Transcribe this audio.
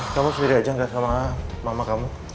kamu sendiri aja nggak sama mama kamu